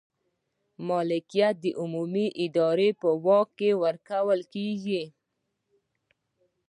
ملکیت د عمومي ادارې په واک کې ورکول کیږي.